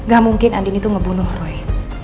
gak mungkin andini itu ngebunuh roy